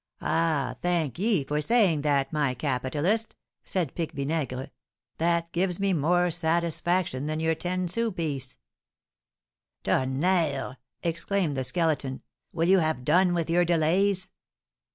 "Ah, thank ye for saying that, my capitalist," said Pique Vinaigre; "that gives me more satisfaction than your ten sous' piece." "Tonnerre!" exclaimed the Skeleton, "will you have done with your delays?"